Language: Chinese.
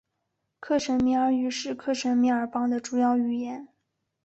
克什米尔语是克什米尔邦的主要语言。